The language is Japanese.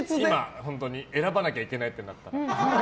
本当に選ばなきゃいけないってなったら。